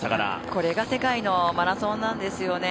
これが世界のマラソンなんですよね。